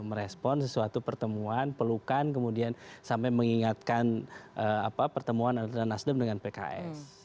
merespon sesuatu pertemuan pelukan kemudian sampai mengingatkan pertemuan antara nasdem dengan pks